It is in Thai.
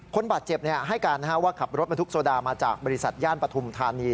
คนบาดเจ็บให้การว่าขับรถบรรทุกโซดามาจากบริษัทย่านปฐุมธานี